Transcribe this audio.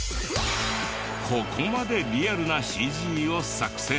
ここまでリアルなＣＧを作成。